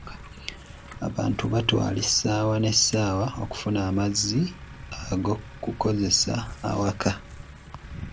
Abantu batwala essaawa n'essaawa okufuna amazzi ag'okukozesa ewaka.